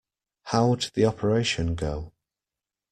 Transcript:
How'd the operation go?